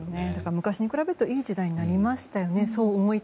昔に比べるといい時代になりましたよね。